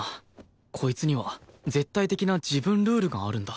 こいつには絶対的な自分ルールがあるんだ